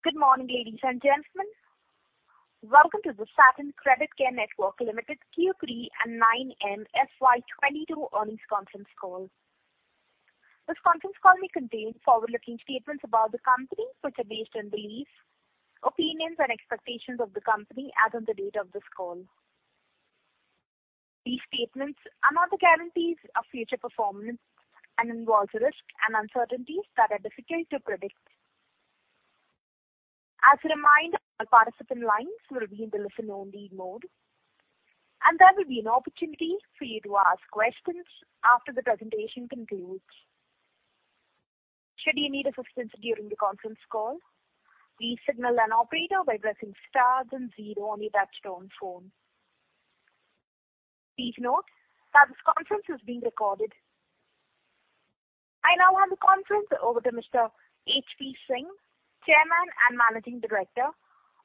Good morning, ladies and gentlemen. Welcome to the Satin Creditcare Network Limited Q3 and 9M FY 2022 earnings conference call. This conference call may contain forward-looking statements about the company, which are based on beliefs, opinions, and expectations of the company as on the date of this call. These statements are not guarantees of future performance and involves risks and uncertainties that are difficult to predict. As a reminder, all participant lines will be in the listen-only mode, and there will be an opportunity for you to ask questions after the presentation concludes. Should you need assistance during the conference call, please signal an operator by pressing star then zero on your touchtone phone. Please note that this conference is being recorded. I now hand the conference over to Mr. HP Singh, Chairman and Managing Director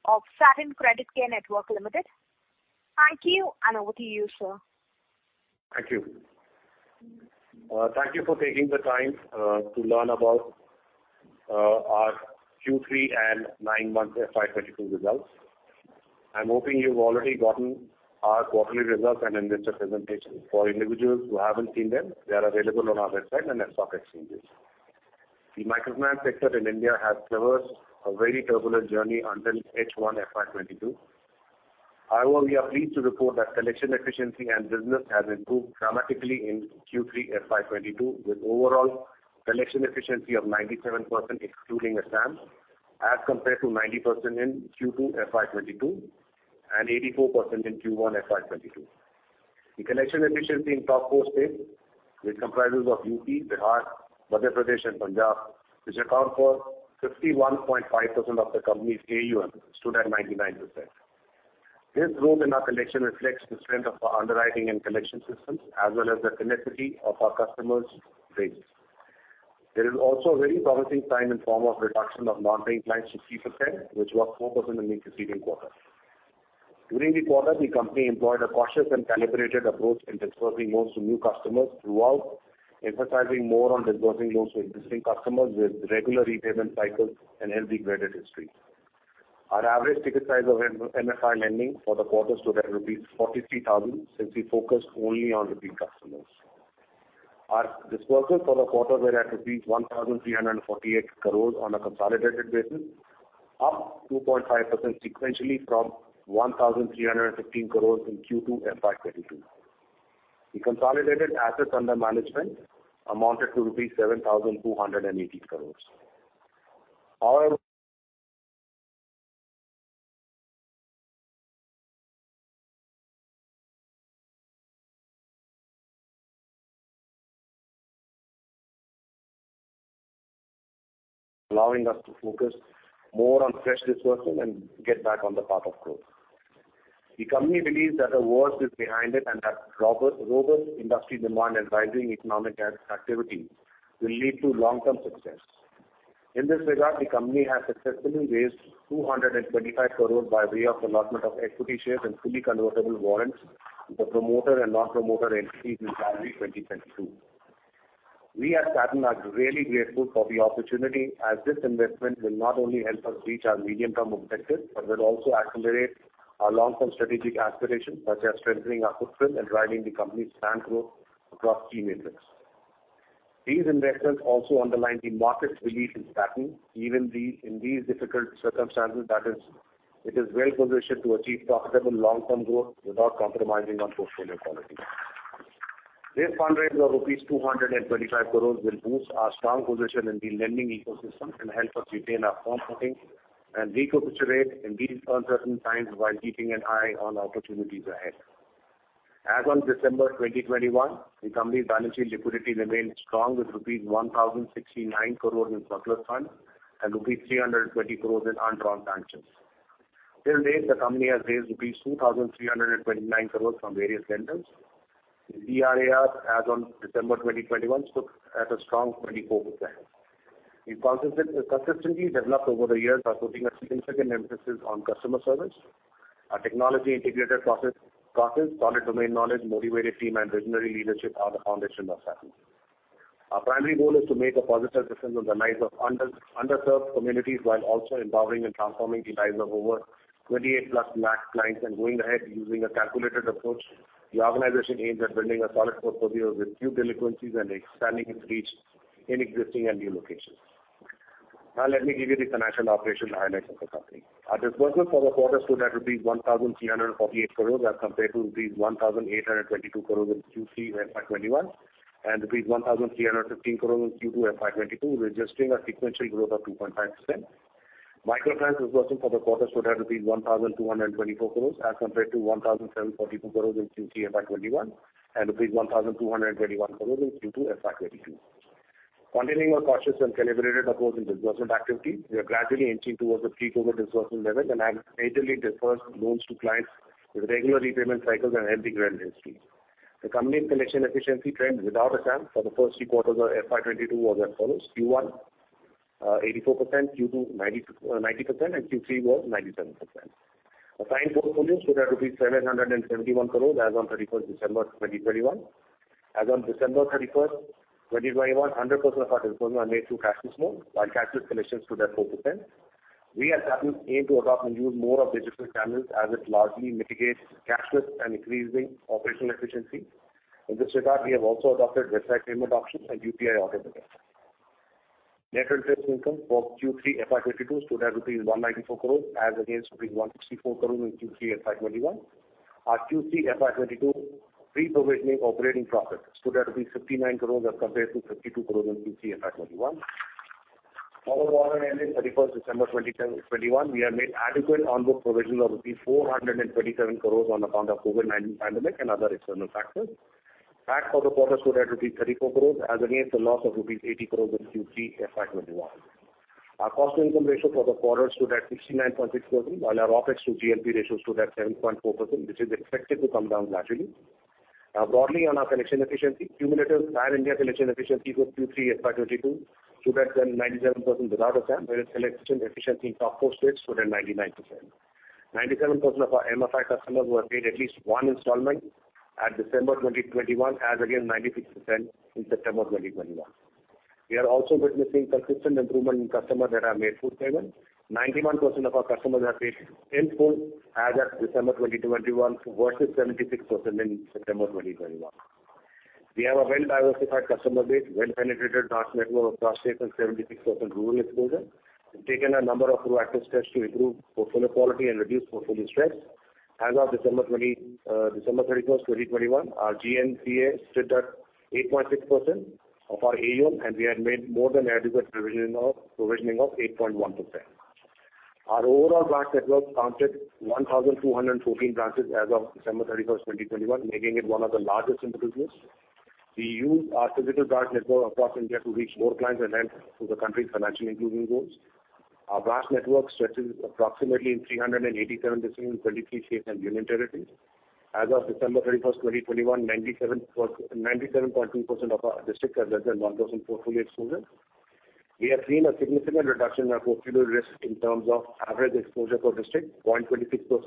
of Satin Creditcare Network Limited. Thank you, and over to you, sir. Thank you. Thank you for taking the time to learn about our Q3 and nine-month FY 2022 results. I'm hoping you've already gotten our quarterly results and investor presentation. For individuals who haven't seen them, they are available on our website and at stock exchanges. The microfinance sector in India has traversed a very turbulent journey until H1 FY 2022. However, we are pleased to report that collection efficiency and business has improved dramatically in Q3 FY 2022, with overall collection efficiency of 97%, excluding Assam, as compared to 90% in Q2 FY 2022 and 84% in Q1 FY 2022. The collection efficiency in top four states, which comprises of UP, Bihar, Madhya Pradesh, and Punjab, which account for 51.5% of the company's AUM, stood at 99%. This growth in our collection reflects the strength of our underwriting and collection systems, as well as the tenacity of our customers' base. There is also a very promising sign in the form of reduction of non-paying clients to 3%, which was 4% in the preceding quarter. During the quarter, the company employed a cautious and calibrated approach in disbursing loans to new customers throughout, emphasizing more on disbursing loans to existing customers with regular repayment cycles and healthy credit history. Our average ticket size of MFI lending for the quarter stood at rupees 43,000 crore, since we focused only on repeat customers. Our disbursements for the quarter were at rupees 1,348 crore on a consolidated basis, up 2.5% sequentially from 1,315 crore in Q2 FY 2022. The consolidated assets under management amounted to rupees 7,280 crore, allowing us to focus more on fresh disbursement and get back on the path of growth. The company believes that the worst is behind it and that robust industry demand and rising economic activity will lead to long-term success. In this regard, the company has successfully raised 225 crore by way of allotment of equity shares and fully convertible warrants with the promoter and non-promoter entities in January 2022. We at Satin are really grateful for the opportunity, as this investment will not only help us reach our medium-term objectives, but will also accelerate our long-term strategic aspirations, such as strengthening our footprint and driving the company's planned growth across key metrics. These investments also underline the market's belief in Satin, even in these difficult circumstances, that is, it is well-positioned to achieve profitable long-term growth without compromising on portfolio quality. This fundraise of rupees 225 crore will boost our strong position in the lending ecosystem and help us retain our firm footing and recapitalize in these uncertain times while keeping an eye on opportunities ahead. As on December 2021, the company's financial liquidity remains strong with rupees 1,069 crore in surplus funds and rupees 320 crore in undrawn tranches. Till date, the company has raised rupees 2,329 crore from various lenders. The CRAR as on December 2021 stood at a strong 24%. We've consistently developed over the years by putting a significant emphasis on customer service. Our technology integrated process, solid domain knowledge, motivated team, and visionary leadership are the foundation of Satin. Our primary goal is to make a positive difference in the lives of underserved communities while also empowering and transforming the lives of over +28 lakh crore clients. Going ahead, using a calculated approach, the organization aims at building a solid portfolio with few delinquencies and expanding its reach in existing and new locations. Now let me give you the financial operational highlights of the company. Our disbursements for the quarter stood at rupees 1,348 crore as compared to rupees 1,822 crore in Q3 FY 2021, and rupees 1,315 crore in Q2 FY 2022, registering a sequential growth of 2.5%. Microfinance disbursement for the quarter stood at 1,224 crore as compared to 1,744 crore in Q3 FY 2021, and rupees 1,221 crore in Q2 FY 2022. Continuing our cautious and calibrated approach in disbursement activity, we are gradually inching towards a pre-COVID disbursement level and have majorly disbursed loans to clients with regular repayment cycles and healthy credit history. The company's collection efficiency trend without Assam for the first three quarters of FY 2022 was as follows. Q1, 84%, Q2, 90%, and Q3 was 97%. Our term portfolio stood at rupees 771 crore as on December 31, 2021. As on December 31, 2021, 100% of our disbursements are made through cashless mode, while cashless collections stood at 4%. We at Satin aim to adopt and use more of digital channels as it largely mitigates cash handling and increasing operational efficiency. In this regard, we have also adopted website payment options and UPI auto debit. Net interest income for Q3 FY 2022 stood at 194 crore as against INR 164 crore in Q3 FY 2021. Our Q3 FY 2022 pre-provisioning operating profit stood at 59 crore as compared to 52 crore in Q3 FY 2021. Our loan book as on 31 December 2021, we have made adequate on-book provision of 427 crore on account of COVID-19 pandemic and other external factors. Tax for the quarter stood at 34 crore as against the loss of rupees 80 crore in Q3 FY 2021. Our cost income ratio for the quarter stood at 69.64, while our OpEx to GLP ratio stood at 7.4%, which is expected to come down gradually. Broadly on our collection efficiency, cumulative pan-India collection efficiency for Q3 FY 2022 stood at 109.7% without Assam, whereas collection efficiency in top four states stood at 99%. 97% of our MFI customers have paid at least one installment as of December 2021 as against 96% in September 2021. We are also witnessing consistent improvement in customers that have made full payment. 91% of our customers have paid in full as of December 2021 versus 76% in September 2021. We have a well-diversified customer base, well-penetrated branch network across states and 76% rural exposure. We've taken a number of proactive steps to improve portfolio quality and reduce portfolio stress. As of December 31, 2021, our GNPA stood at 8.6% of our AUM, and we had made more than adequate provisioning of 8.1%. Our overall branch network counted 1,214 branches as of December 31, 2021, making it one of the largest in the business. We use our physical branch network across India to reach more clients and lend to the country's financial inclusion goals. Our branch network stretches approximately in 387 districts in 23 states and union territories. As of December 31, 2021, 97.2% of our districts have less than 1,000 portfolio exposure. We have seen a significant reduction in our portfolio risk in terms of average exposure per district, 0.26%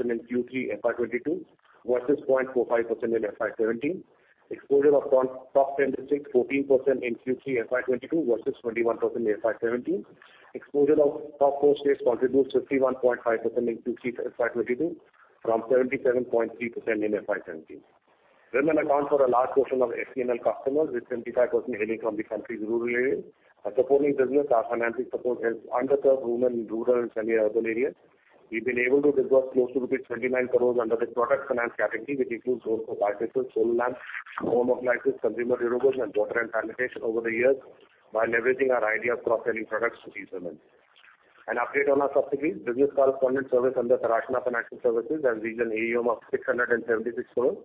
in Q3 FY 2022 versus 0.45% in FY 2017. Exposure of top ten districts, 14% in Q3 FY 2022 versus 21% in FY 2017. Exposure of top four states contributes 51.5% in Q3 FY 2022 from 77.3% in FY 2017. Women account for a large portion of SCNL customers, with 75% hailing from the country's rural areas. Our supporting business, our financing support helps underserved women in rural and semi-urban areas. We've been able to disburse close to rupees 29 crore under the product finance category, which includes loans for bicycles, solar lamps, home appliances, consumer durables, and water and sanitation over the years by leveraging our idea of cross-selling products to these women. An update on our subsidiaries. Business Correspondent Service under Taraashna Financial Services has reached an AUM of 676 crore.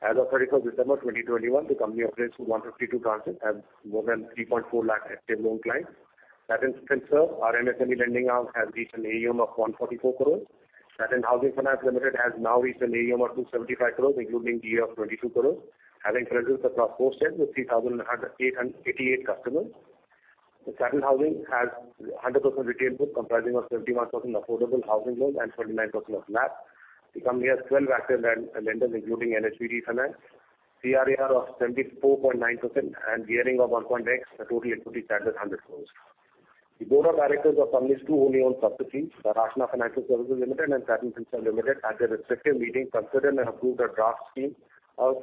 As of December 31, 2021, the company operates through 152 branches and more than 3.4 lakh crore active loan clients. Satin Finserv, our MSME lending arm, has reached an AUM of 144 crore. Satin Housing Finance Limited has now reached an AUM of 275 crore, including GEAR of 22 crore, having presence across four states with 3,888 customers. Satin Housing has a 100% retail book comprising 71% affordable housing loans and 29% LAP. The company has 12 active lenders, including NHB refinance, CRAR of 74.9% and gearing of 1.8x for total equity capital of 100 crore. The board of directors of the Company's two wholly owned subsidiaries, Taraashna Financial Services Limited and Satin Finserv Limited, at their respective meetings, considered and approved a draft scheme of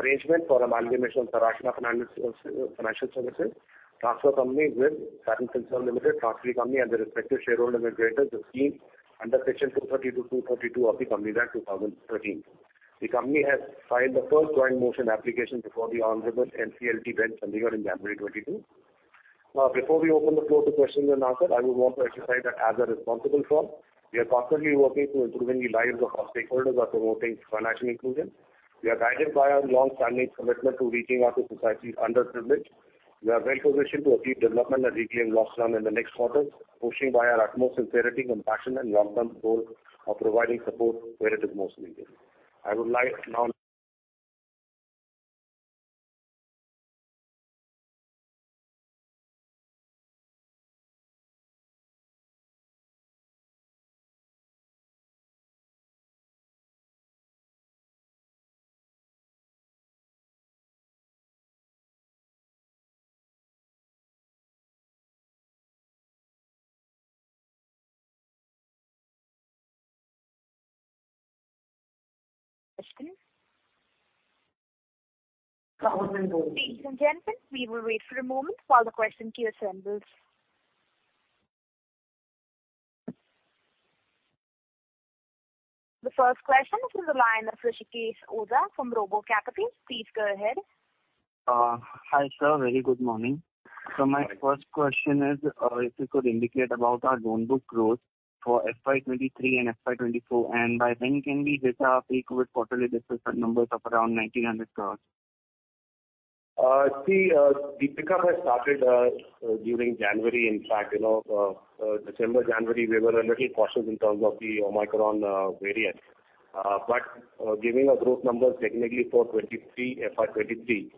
arrangement for amalgamation of Taraashna Financial Services transferor company with Satin Finserv Limited transferee company, and their respective shareholders' agreement, the scheme under Section 230 to 232 of the Companies Act, 2013. The company has filed the first joint motion application before the Honorable NCLT bench earlier in January 2022. Now, before we open the floor to questions and answers, I would want to emphasize that as a responsible firm, we are constantly working to improving the lives of our stakeholders by promoting financial inclusion. We are guided by our long-standing commitment to reaching out to society's underprivileged. We are well positioned to achieve development and reclaim lost ground in the next quarter, pushed by our utmost sincerity, compassion and long-term goal of providing support where it is most needed. I would like now. Questions. Ladies and gentlemen, we will wait for a moment while the question queue assembles. The first question is the line of Rishikesh Oza from RoboCapital. Please go ahead. Hi, sir. Very good morning. My first question is, if you could indicate about our loan book growth for FY 2023 and FY 2024, and by when can we get our pre-COVID quarterly disbursement numbers of around 1,900 crore? See, the pickup has started during January. In fact, you know, December, January, we were a little cautious in terms of the Omicron variant. Giving a growth number technically for 2023, FY 2023,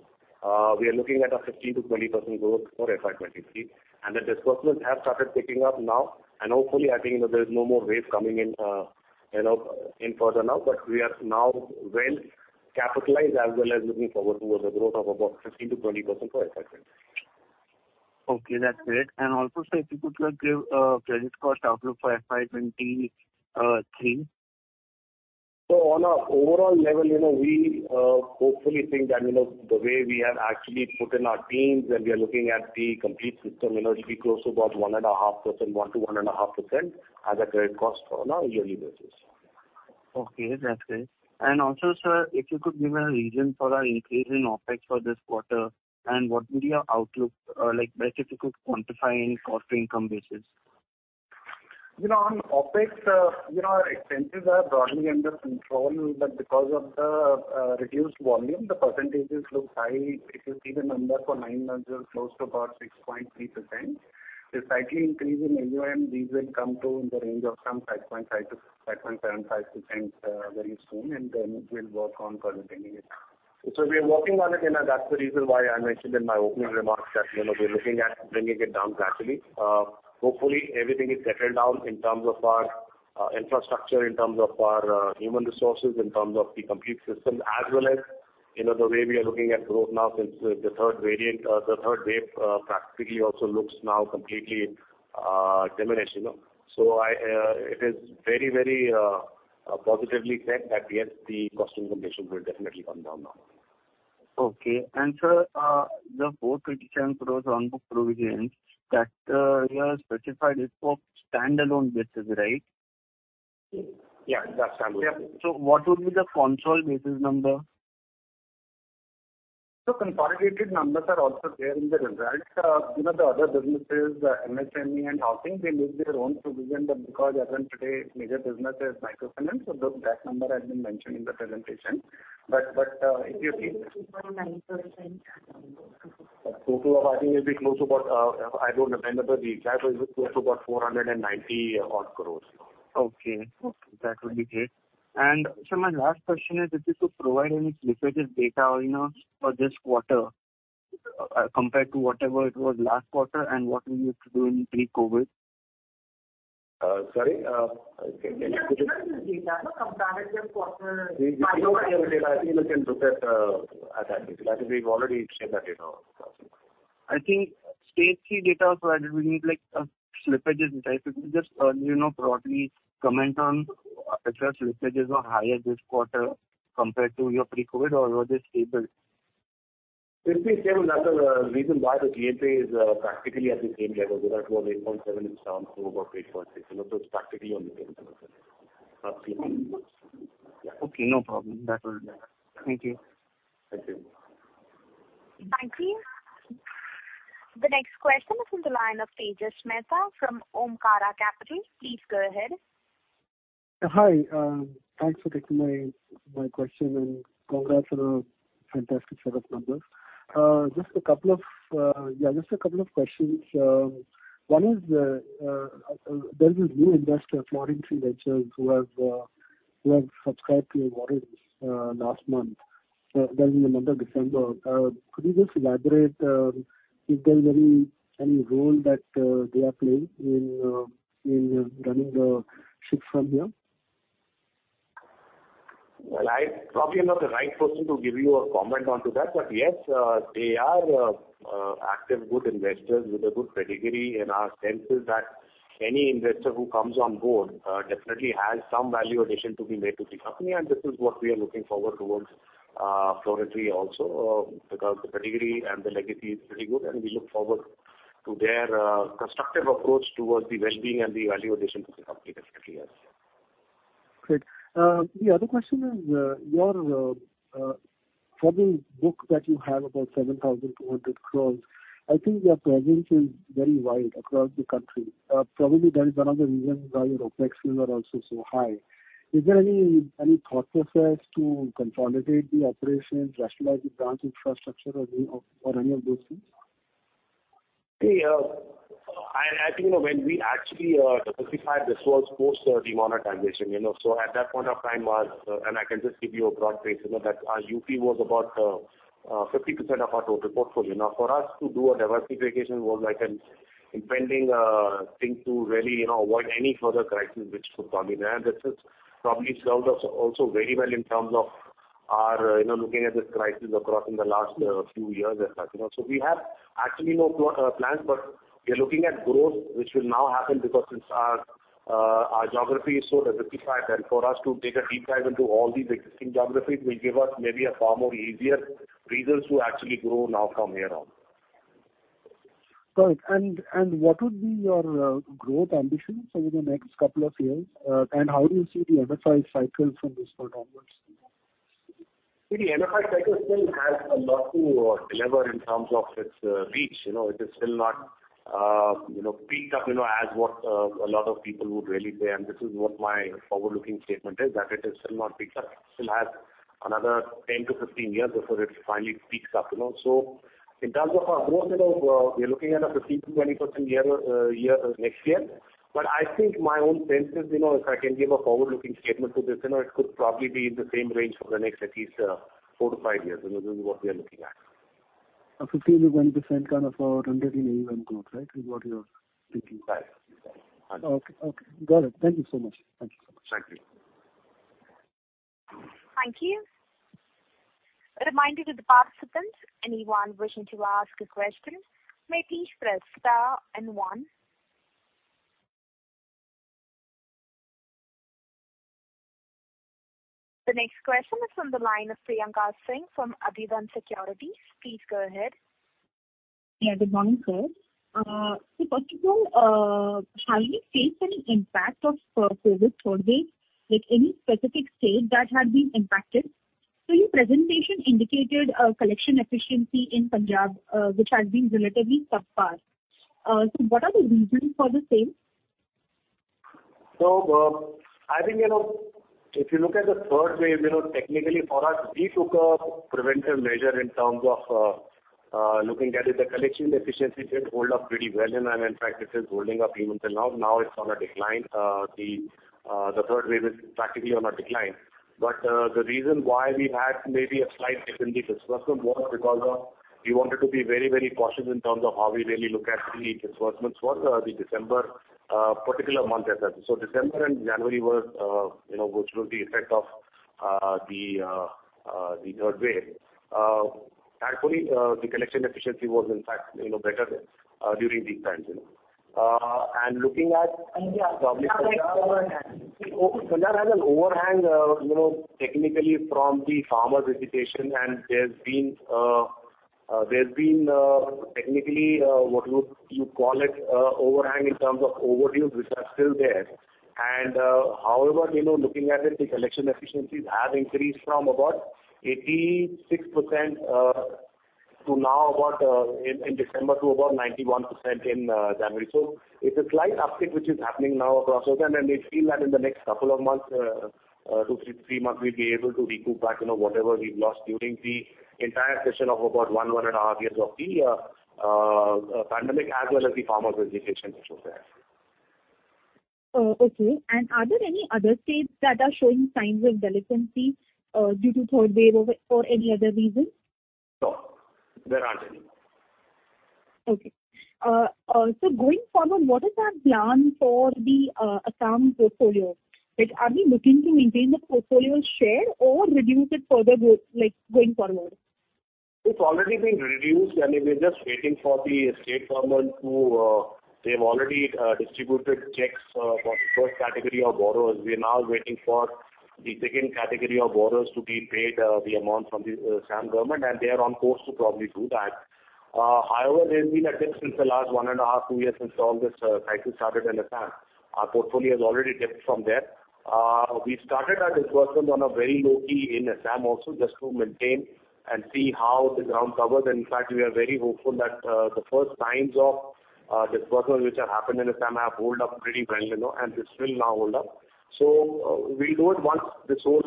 we are looking at a 15%-20% growth for FY 2023. The disbursements have started picking up now, and hopefully, I think, you know, there is no more wave coming in, you know, in the future now, but we are now well-capitalized as well as looking forward towards a growth of about 15%-20% for FY 2023. Okay, that's great. Sir, if you could, like, give a credit cost outlook for FY 2023? On an overall level, you know, we hopefully think that, you know, the way we have actually put in our teams and we are looking at the complete system, you know, it'll be close to about 1.5%, 1%-1.5% as a credit cost on a yearly basis. Okay, that's great. Also, sir, if you could give a reason for our increase in OpEx for this quarter, and what would be your outlook, like maybe if you could quantify any cost to income basis? You know, on OpEx, you know, our expenses are broadly under control, but because of the reduced volume, the percentages look high. If you see the number for nine months, it was close to about 6.3%. The cycling increase in AUM, these will come to in the range of some 5.5%-5.75%, very soon, and we'll work on continuing it. We are working on it, you know, that's the reason why I mentioned in my opening remarks that, you know, we're looking at bringing it down gradually. Hopefully everything is settled down in terms of our infrastructure, in terms of our human resources, in terms of the complete system, as well as, you know, the way we are looking at growth now since the third variant, the third wave, practically also looks now completely diminished, you know. It is very positively set that, yes, the cost income ratio will definitely come down now. Okay. Sir, the 427 crore on book provisions that you have specified is for standalone basis, right? Yeah, that's standalone. Yeah. What would be the consensus basis number? Consolidated numbers are also there in the results. You know, the other businesses, MSME and housing, they make their own provision because as on today major business is microfinance. That number has been mentioned in the presentation. But if you see total of, I think, will be close to about. I don't remember the exact, but it's close to about 490-odd crore. Okay. That would be great. Sir, my last question is, if you could provide any slippages data, you know, for this quarter, compared to whatever it was last quarter and what we used to do in pre-COVID? Sorry. Can you- Slippages data compared to quarter We don't have data. I think you can look at that. Like we've already shared that data. I think Stage Three data provided we need like slippages data. Could you just you know broadly comment on whether slippages are higher this quarter compared to your pre-COVID or were they stable? It's been stable. That's the reason why the GNPA is practically at the same level, whether it was 8.7%, it's down to about 8.6%. You know, it's practically on the same level. Okay, no problem. That will do. Thank you. Thank you. Thank you. The next question is from the line of Tejas Mehta from Omkara Capital. Please go ahead. Hi, thanks for taking my question, and congrats on a fantastic set of numbers. Just a couple of questions. One is, there's this new investor, Florintree Ventures, who have subscribed to your warrants last month, that is in the month of December. Could you just elaborate if there's any role that they are playing in running the ship from here? Well, I probably am not the right person to give you a comment on that. Yes, they are active good investors with a good pedigree, and our sense is that any investor who comes on board definitely has some value addition to be made to the company. This is what we are looking forward toward Florintree also, because the pedigree and the legacy is pretty good, and we look forward to their constructive approach toward the well-being and the value addition to the company definitely, yes. Great. The other question is your book that you have about 7,200 crore. I think your presence is very wide across the country. Probably that is one of the reasons why your OpEx bills are also so high. Is there any thought process to consolidate the operations, rationalize the branch infrastructure or any of those things? See, I think, you know, when we actually diversified, this was post the demonetization, you know. At that point of time and I can just give you a broad base, you know, that our UP was about 50% of our total portfolio. Now, for us to do a diversification was like an impending thing to really, you know, avoid any further crisis which could come in. This has probably served us also very well in terms of our, you know, looking at the crisis across in the last few years and such, you know. We have actually no plans, but we are looking at growth, which will now happen because since our geography is so diversified, and for us to take a deep dive into all these existing geographies will give us maybe a far more easier reasons to actually grow now from here on. Right. What would be your growth ambitions over the next couple of years? How do you see the MFI cycle from this point onwards? See, the MFI cycle still has a lot to deliver in terms of its reach. You know, it is still not picked up, you know, as what a lot of people would really say. This is what my forward-looking statement is, that it is still not picked up. It still has another 10-15 years before it finally picks up, you know. In terms of our growth, you know, we're looking at a 15%-20% year-on-year next year. I think my own sense is, you know, if I can give a forward-looking statement to this, you know, it could probably be in the same range for the next at least four to five years. You know, this is what we are looking at. A 15%-20% kind of a run rate in AUM growth, right? Is what you're thinking? Right. Okay. Got it. Thank you so much. Thank you. Thank you. A reminder to the participants, anyone wishing to ask a question, may please press star and one. The next question is from the line of Priyanka Singh from Athidhan Securities. Please go ahead. Yeah, good morning, sir. First of all, have you faced any impact of, COVID third wave with any specific state that has been impacted? Your presentation indicated a collection efficiency in Punjab, which has been relatively subpar. What are the reasons for the same? I think, you know, if you look at the third wave, you know, technically for us, we took a preventive measure in terms of looking at it. The collection efficiency did hold up pretty well and in fact this is holding up even till now. Now it's on a decline. The third wave is practically on a decline. The reason why we had maybe a slight dip in the disbursements was because of we wanted to be very, very cautious in terms of how we really look at the disbursements for the December particular month as such. December and January were, you know, went through the effect of the third wave. Thankfully, the collection efficiency was in fact, you know, better during these times, you know. Uh, and looking at- Yeah, Punjab has an overhang. Punjab has an overhang, you know, technically from the farmer's agitation and there's been technically what you call it, overhang in terms of overdues which are still there. However, you know, looking at it, the collection efficiencies have increased from about 86% in December to about 91% in January. It's a slight uptick which is happening now across those. Then we feel that in the next couple of months, two to three months, we'll be able to recoup back, you know, whatever we've lost during the entire session of about one and a half years of the pandemic as well as the farmer's agitation which was there. Are there any other states that are showing signs of delinquency due to third wave or any other reason? No. There aren't any. Okay. Going forward, what is our plan for the Assam portfolio? Like, are we looking to maintain the portfolio share or reduce it further both like going forward? It's already been reduced and we're just waiting for the state government to. They've already distributed checks for the first category of borrowers. We're now waiting for the second category of borrowers to be paid the amount from the Assam government, and they are on course to probably do that. However, there's been a dip since the last one and half to two years since all this crisis started in Assam. Our portfolio has already dipped from there. We started our disbursements on a very low key in Assam also just to maintain and see how the ground recovers. In fact, we are very hopeful that the first signs of disbursement which have happened in Assam have held up pretty well, you know, and this will now hold up. We'll do it once this whole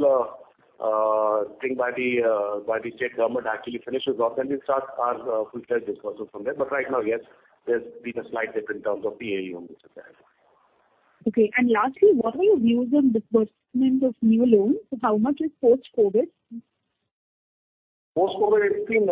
thing by the state government actually finishes off, then we'll start our full term disbursements from there. Right now, yes, there's been a slight dip in terms of the AUM which is there. Okay. Lastly, what are your views on disbursement of new loans? How much is post-COVID? Post-COVID, it's been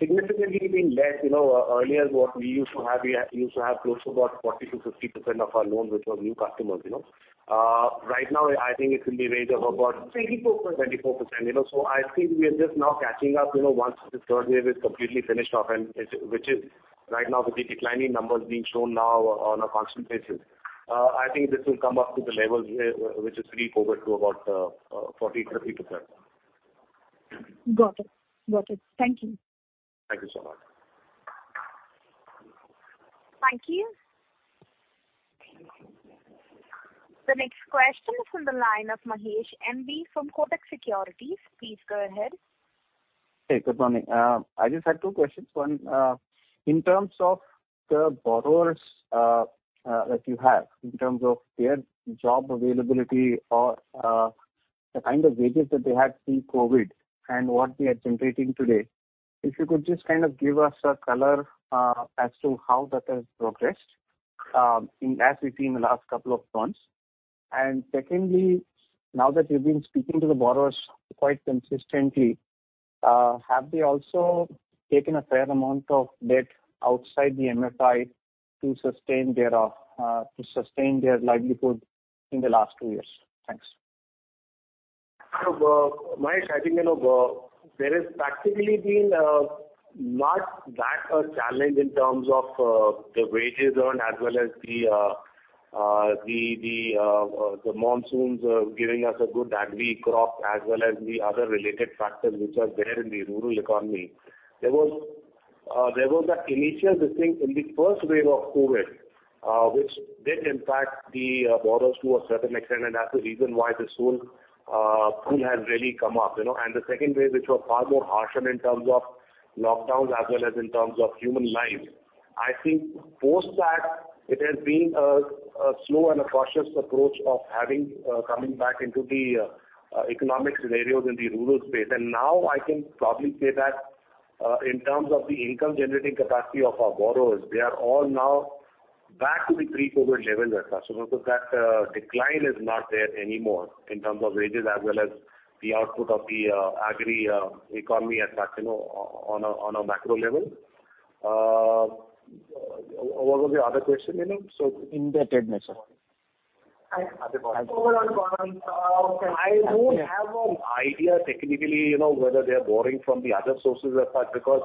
significantly less. You know, earlier what we used to have, we used to have close to about 40%-50% of our loans, which was new customers, you know. Right now, I think it's in the range of about- 24%. 24%, you know. I think we are just now catching up, you know, once this third wave is completely finished off and it, which is right now with the declining numbers being shown now on a constant basis. I think this will come up to the levels which is pre-COVID to about 40%-50%. Got it. Thank you. Thank you so much. Thank you. The next question is from the line of MB Mahesh from Kotak Securities. Please go ahead. Hey, good morning. I just had two questions. One, in terms of the borrowers that you have in terms of their job availability or the kind of wages that they had pre-COVID and what they are generating today, if you could just kind of give us a color as to how that has progressed in, as we've seen, the last couple of months. Secondly, now that you've been speaking to the borrowers quite consistently, have they also taken a fair amount of debt outside the MFI to sustain their livelihood in the last two years? Thanks. Mahesh, I think, you know, there has practically been not that a challenge in terms of the wages earned as well as the monsoons giving us a good agri crop as well as the other related factors which are there in the rural economy. There was that initial distress in the first wave of COVID, which did impact the borrowers to a certain extent, and that's the reason why this whole pool has really come up, you know. The second wave, which was far more harsher in terms of lockdowns as well as in terms of human lives. I think post that it has been a slow and a cautious approach of coming back into the economic scenarios in the rural space. Now I can probably say that in terms of the income generating capacity of our borrowers, they are all now back to the pre-COVID levels as such. That decline is not there anymore in terms of wages as well as the output of the agri economy as such, you know, on a macro level. What was the other question, Mahesh? Indebtedness. I don't have an idea technically, you know, whether they are borrowing from the other sources as such, because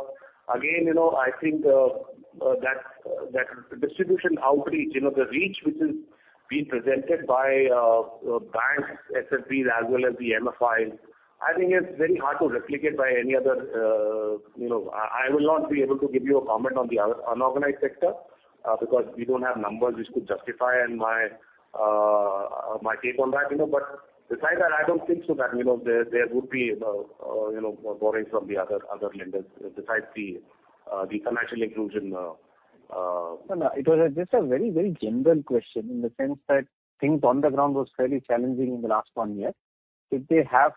again, you know, I think that distribution outreach, you know, the reach which is being presented by banks, SFBs as well as the MFIs. I think it's very hard to replicate by any other, you know. I will not be able to give you a comment on the unorganized sector, because we don't have numbers which could justify, and my take on that, you know. But besides that, I don't think that, you know, there would be borrowing from the other lenders besides the financial inclusion. No, no, it was just a very, very general question in the sense that things on the ground was fairly challenging in the last one year. Did they have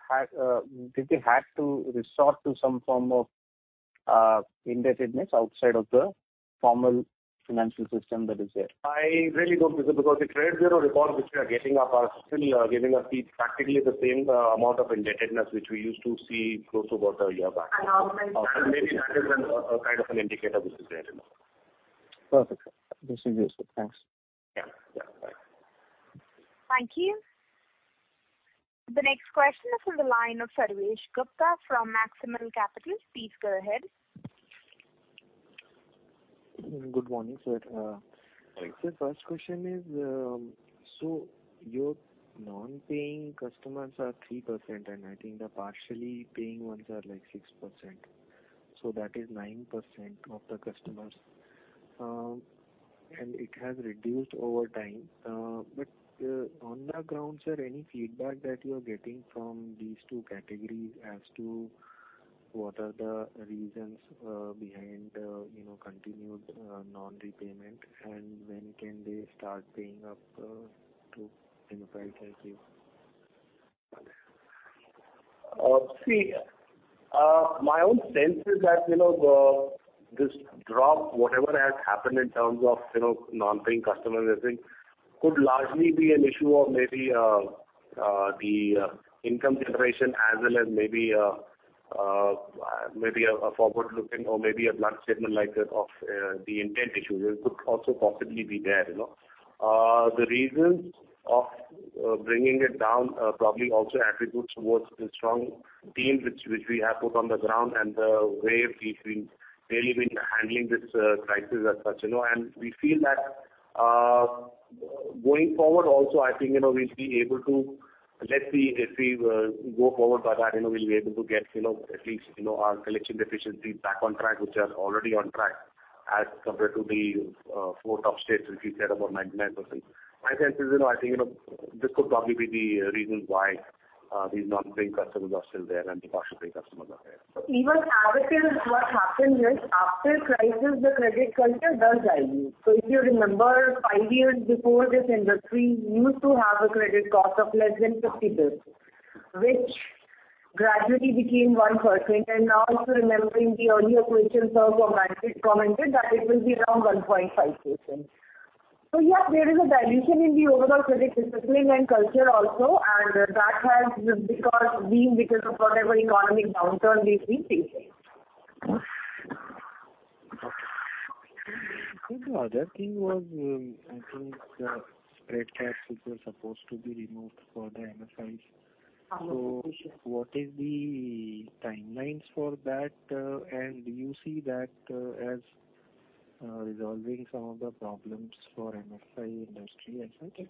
to resort to some form of indebtedness outside of the formal financial system that is there? I really don't think so because the credit bureau records which we are getting are still giving us practically the same amount of indebtedness which we used to see close to about a year back. Okay. Maybe that is a kind of indicator which is there, you know. Perfect, sir. This is useful. Thanks. Yeah. Yeah. Bye. Thank you. The next question is from the line of Sarvesh Gupta from Maximal Capital. Please go ahead. Good morning, sir. Thanks. Sir, first question is, your non-paying customers are 3%, and I think the partially paying ones are like 6%, so that is 9% of the customers. It has reduced over time. On the ground, sir, any feedback that you are getting from these two categories as to what are the reasons behind, you know, continued non-repayment, and when can they start paying up to MFI as you? My own sense is that, you know, this drop, whatever has happened in terms of, you know, non-paying customers, I think could largely be an issue of maybe the income generation as well as maybe a forward-looking or maybe a blunt statement like of the intent issue. It could also possibly be there, you know. The reasons of bringing it down probably also attributes towards the strong team which we have put on the ground and the way we've really been handling this crisis as such, you know. We feel that going forward also, I think, you know, we'll be able to let the. If we go forward by that, you know, we'll be able to get, you know, at least, you know, our collection efficiencies back on track, which are already on track, as compared to the four top states which we said about 99%. My sense is, you know, I think, you know, this could probably be the reasons why these non-paying customers are still there and the partial paying customers are there. Even as it is, what happened is after crisis, the credit culture does dilute. If you remember, five years before this industry used to have a credit cost of less than 50 basis, which gradually became 1%. Now also remembering the earlier question, sir commented that it will be around 1.5%. Yes, there is a dilution in the overall credit discipline and culture also, and that has been because of whatever economic downturn we've been facing. Okay. I think the other thing was, I think the spread caps which were supposed to be removed for the MFIs. What is the timelines for that? Do you see that as resolving some of the problems for MFI industry, etc.?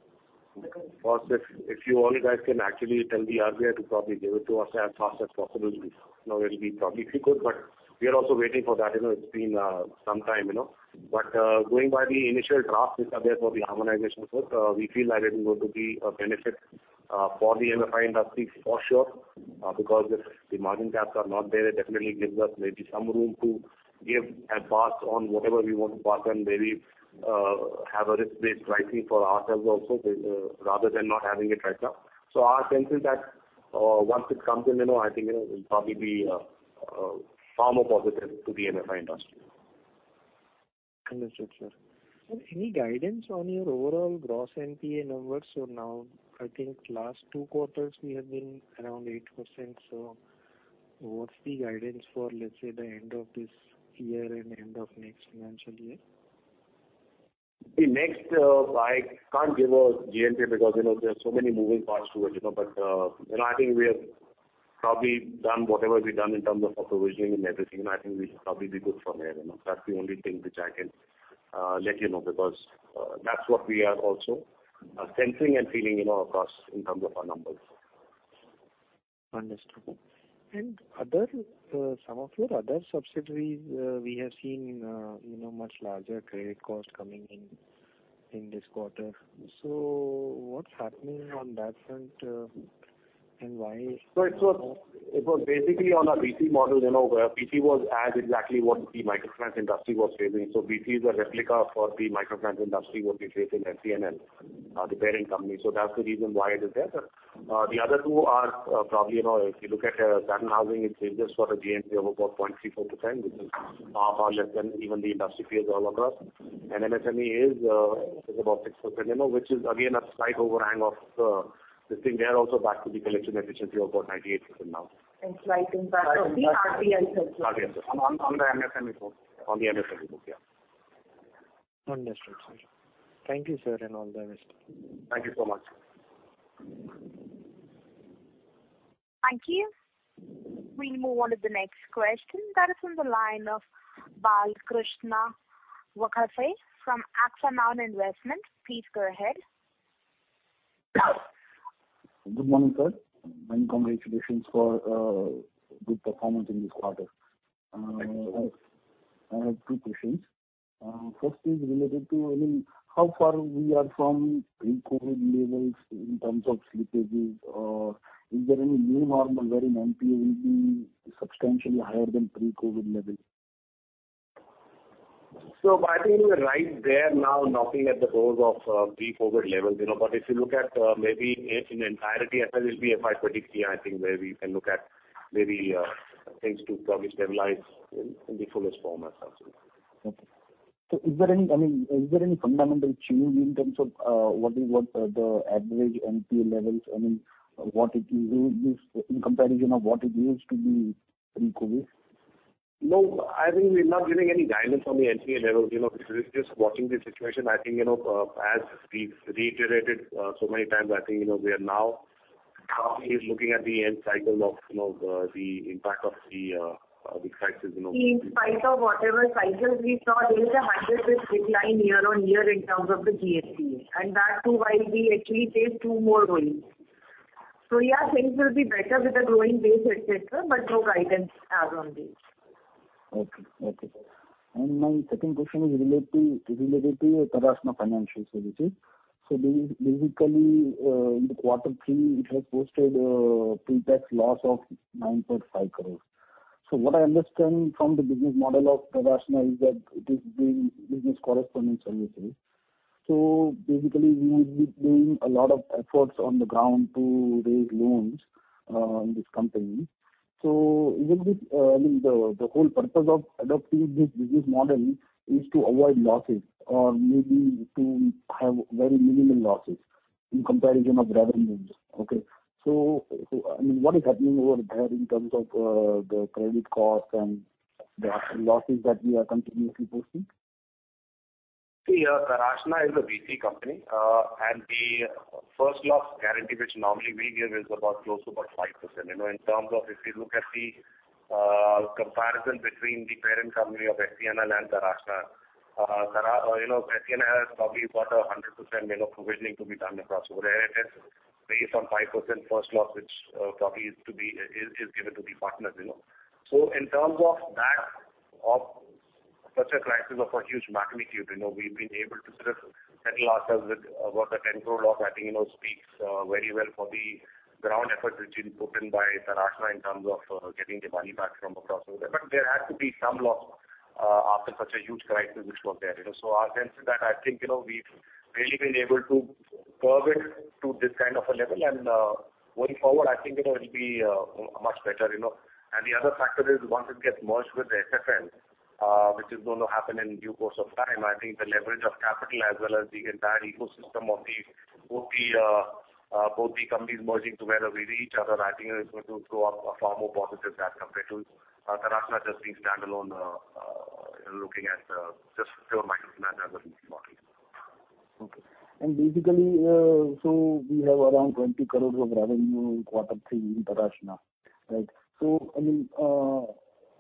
Of course, if you all you guys can actually tell the RBI to probably give it to us as fast as possible, you know, it'll be probably pretty good. We are also waiting for that, you know, it's been some time, you know. Going by the initial drafts which are there for the harmonization code, we feel that it is going to be a benefit for the MFI industry for sure, because if the margin caps are not there, it definitely gives us maybe some room to give advance on whatever we want to pass on, maybe, have a risk-based pricing for ourselves also, rather than not having it right now. Our sense is that once it comes in, you know, I think, you know, it will probably be far more positive to the MFI industry. Understood, sir. Sir, any guidance on your overall gross NPA numbers? Now I think last two quarters we have been around 8%. What's the guidance for, let's say, the end of this year and end of next financial year? The next, I can't give a GNPA because, you know, there are so many moving parts to it, you know. You know, I think we have probably done whatever we've done in terms of provisioning and everything. I think we should probably be good from here, you know. That's the only thing which I can let you know because that's what we are also sensing and feeling, you know, across in terms of our numbers. Understood. Other, some of your other subsidiaries, we have seen, you know, much larger credit cost coming in. In this quarter. What's happening on that front, and why? It was basically on a BC model, you know, where BC was exactly what the microfinance industry was facing. BC is a replica of the microfinance industry, what we face in SCNL, the parent company. That's the reason why it is there, sir. The other two are probably, you know, if you look at Satin Housing, it's just for a GNPA of about 0.34%, which is far, far less than even the industry peers all across. MSME is about 6%, you know, which is again a slight overhang of this thing. They are also back to the collection efficiency of about 98% now. Slight impact of the RBI circular. On the MSME book. On the MSME book, yeah. Understood, sir. Thank you, sir, and all the best. Thank you so much. Thank you. We move on to the next question that is on the line of Balkrushna Vaghasia from Axanoun Investments. Please go ahead. Good morning, sir, and congratulations for good performance in this quarter. Thank you. I have two questions. First is related to, I mean, how far we are from pre-COVID levels in terms of slippages or is there any new normal where NPA will be substantially higher than pre-COVID levels? I think we're right there now knocking at the doors of pre-COVID levels, you know. If you look at maybe in entirety as such it will be FY 2023, I think where we can look at maybe things to probably stabilize in the fullest form as such. Okay. Is there any, I mean, fundamental change in terms of what the average NPA levels, I mean, what it is in comparison of what it used to be pre-COVID? No, I think we're not giving any guidance on the NPA levels. You know, we're just watching the situation. I think, you know, as we've reiterated so many times, I think, you know, we are now probably looking at the end of the cycle of the impact of the crisis, you know. In spite of whatever cycles we saw, there is a 100% decline year-on-year in terms of the GNPA. That too, while we actually take two more loans. Yeah, things will be better with the growing base, et cetera, et cetera, but no guidance as on date. My second question is related to Taraashna Financial Services. Basically, in quarter three, it has posted pre-tax loss of 9.5 crore. What I understand from the business model of Taraashna is that it is doing business correspondent services. Basically, we would be doing a lot of efforts on the ground to raise loans in this company. Is it, I mean, the whole purpose of adopting this business model to avoid losses or maybe to have very minimal losses in comparison of revenues? What is happening over there in terms of the credit costs and the actual losses that we are continuously posting? See, Taraashna is a BC company. The first loss guarantee which normally we give is about close to about 5%. You know, in terms of if you look at the comparison between the parent company of SCNL and Taraashna, you know, SCNL has probably got a 100% provisioning to be done across over there. It is based on 5% first loss which probably is to be given to the partners, you know. In terms of that, of such a crisis of a huge magnitude, you know, we've been able to sort of settle ourselves with about a 10 crore loss, I think, you know, speaks very well for the ground effort which has been put in by Taraashna in terms of getting the money back from across over there. There has to be some loss after such a huge crisis which was there, you know. Our sense is that, I think, you know, we've really been able to curb it to this kind of a level and going forward, I think, you know, it'll be much better, you know. The other factor is once it gets merged with the SFL, which is going to happen in due course of time, I think the leverage of capital as well as the entire ecosystem of both the companies merging together with each other, I think it's going to show up a far more positive as compared to Taraashna just being standalone, looking at just pure microfinance as a business model. Okay. Basically, we have around 20 crore of revenue in quarter three in Taraashna, right? I mean,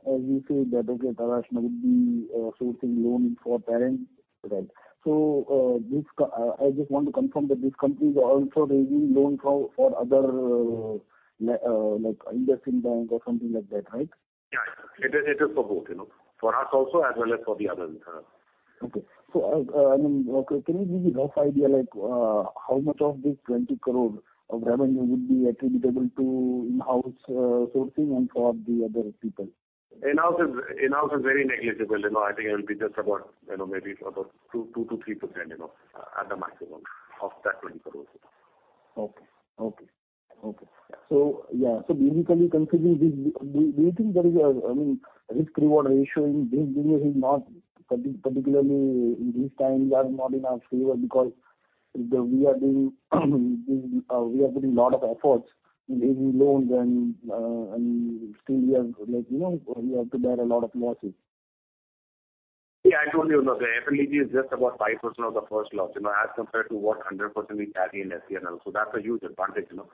as you say that, okay, Taraashna would be sourcing loan for parent, right? I just want to confirm that this company is also raising loan from other like IndusInd Bank or something like that, right? Yeah. It is for both, you know, for us also as well as for the others. Can you give me rough idea, like, how much of this 20 crore of revenue would be attributable to in-house sourcing and for the other people? In-house is very negligible. You know, I think it'll be just about, you know, maybe about 2%-3%, you know, at the maximum of that INR 20 crore. Okay. Yeah. Yeah. Basically considering this, do you think there is a, I mean, risk reward ratio in this business is not particularly in this time we are not in our favor because we are doing, we are putting lot of efforts in raising loans and still we have like, you know, we have to bear a lot of losses. Yeah, I told you know, the FLDG is just about 5% of the first loss, you know, as compared to the 100% we carry in SCNL. That's a huge advantage, you know.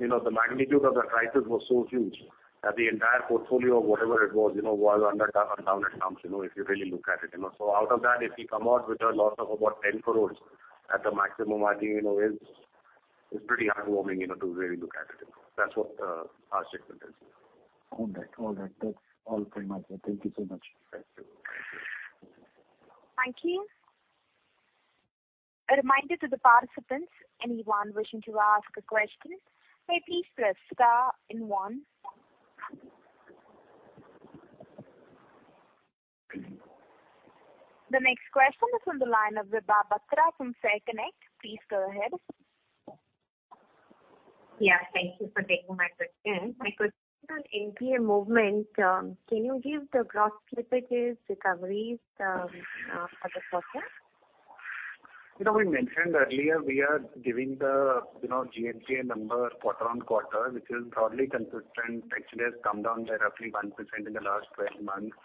You know, the magnitude of the crisis was so huge that the entire portfolio of whatever it was, you know, was was down at times, you know, if you really look at it, you know. Out of that, if we come out with a loss of about 10 crore at the maximum, I think, you know, it's pretty heartwarming, you know, to really look at it. That's what our statement is. All right. That's all from my side. Thank you so much. Thank you. Thank you. A reminder to the participants, anyone wishing to ask a question, may please press star and one. The next question is on the line of Vibha Batra from FairConnect. Please go ahead. Yeah, thank you for taking my question. My question on NPA movement, can you give the gross slippages, recoveries, for the quarter? You know, we mentioned earlier we are giving the, you know, GNPA number quarter-over-quarter, which is broadly consistent. Actually, it has come down by roughly 1% in the last 12 months.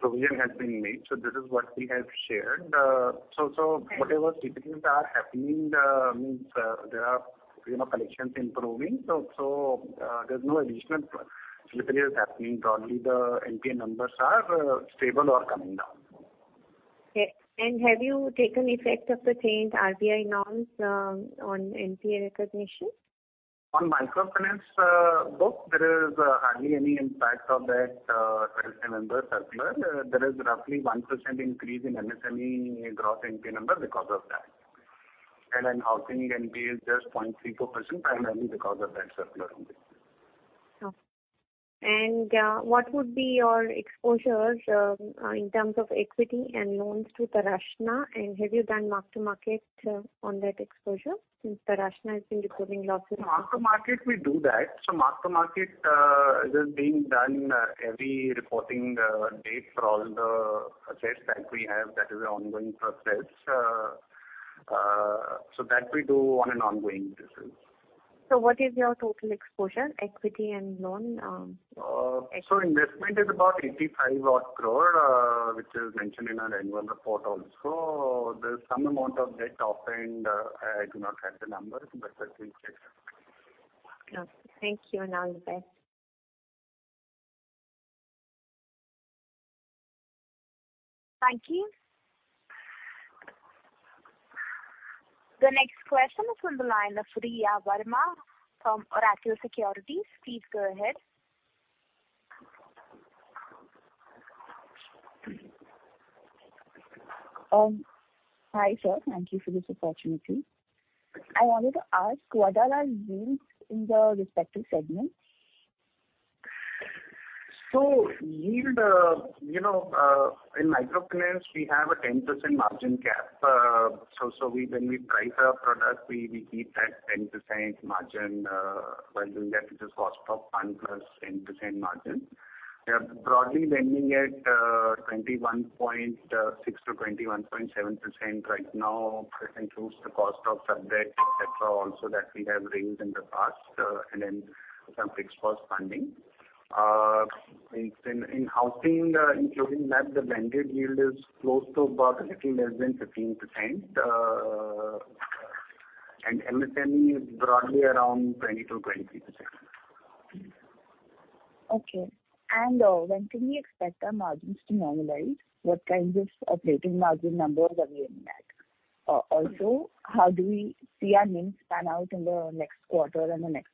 Provision has been made, so this is what we have shared. Whatever slippages are happening means there are, you know, collections improving, so there's no additional slippages happening. Probably the NPA numbers are stable or coming down. Okay. Have you taken effect of the changed RBI norms on NPA recognition? On microfinance book, there is hardly any impact of that RBI circular. There is roughly 1% increase in MSME gross NPA number because of that. Housing NPA is just 0.34% primarily because of that circular only. Okay. What would be your exposures, in terms of equity and loans to Taraashna? Have you done mark to market, on that exposure since Taraashna has been recording losses? Mark-to-market, we do that. Mark-to-market is being done every reporting date for all the assets that we have. That is an ongoing process that we do on an ongoing basis. What is your total exposure, equity and loan, exposure? Investment is about 85 odd crore, which is mentioned in our annual report also. There's some amount of debt off and, I do not have the numbers, but that we'll share. Okay. Thank you. All the best. Thank you. The next question is on the line of Riya Verma from Oracle Securities. Please go ahead. Hi, sir. Thank you for this opportunity. I wanted to ask what are our yields in the respective segments? Yield, in microfinance we have a 10% margin cap. We, when we price our product, we keep that 10% margin. While doing that, it is cost of funds plus 10% margin. We are broadly lending at 21.6%-21.7% right now. It includes the cost of funds, etc., also that we have raised in the past, and then some fixed cost funding. In housing, including that, the blended yield is close to about a little less than 15%. MSME is broadly around 20%-23%. Okay. When can we expect our margins to normalize? What kinds of operating margin numbers are we looking at? Also, how do we see our NIMs pan out in the next quarter and the next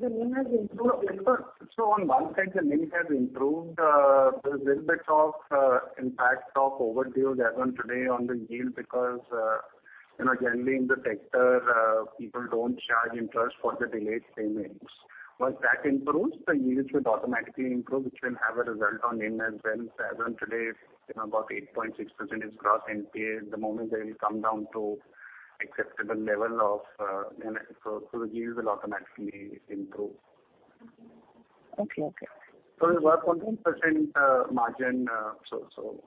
fiscal? The NIM has improved. On one side, the NIM has improved. There's a little bit of impact of overdues as on today on the yield because, you know, generally in the sector, people don't charge interest for the delayed payments. Once that improves, the yields would automatically improve, which will have a result on NIM as well. As on today, you know, about 8.6% is gross NPA. The moment that it will come down to acceptable level, you know, the yields will automatically improve. Okay. Okay. We work on 10% margin, so.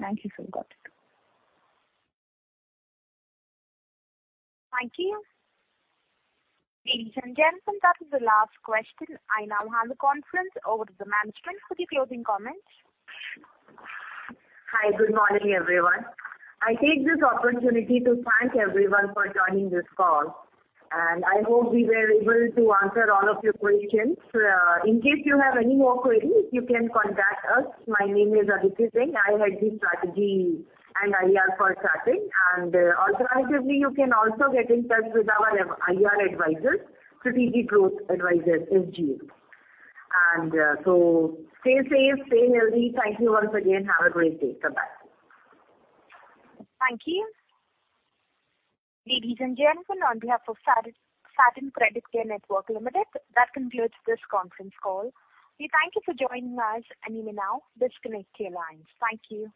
Thank you, sir. Got it. Thank you. Ladies and gentlemen, that is the last question. I now hand the conference over to the management for the closing comments. Hi, good morning, everyone. I take this opportunity to thank everyone for joining this call, and I hope we were able to answer all of your questions. In case you have any more queries, you can contact us. My name is Aditi Singh. I head the strategy and IR for Satin. Alternatively, you can also get in touch with our IR advisors, Strategic Growth Advisors, SGA. Stay safe, stay healthy. Thank you once again. Have a great day. Bye-bye. Thank you. Ladies and gentlemen, on behalf of Satin Creditcare Network Limited, that concludes this conference call. We thank you for joining us, and you may now disconnect your lines. Thank you.